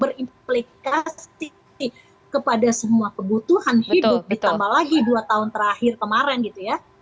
berimplikasi kepada semua kebutuhan hidup ditambah lagi dua tahun terakhir kemarin gitu ya